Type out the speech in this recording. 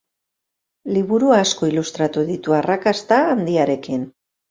Liburu asko ilustratu ditu, arrakasta handiarekin.